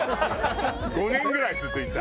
５年ぐらい続いた。